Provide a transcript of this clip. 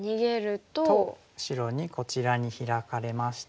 白にこちらにヒラかれまして。